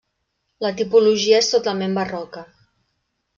La tipologia és totalment barroca.